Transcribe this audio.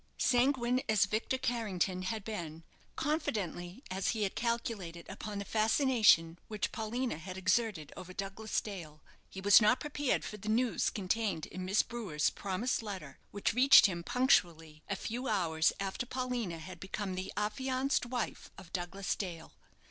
Sanguine as Victor Carrington had been, confidently as he had calculated upon the fascination which Paulina had exerted over Douglas Dale, he was not prepared for the news contained in Miss Brewer's promised letter, which reached him punctually, a few hours after Paulina had become the affianced wife of Douglas Dale.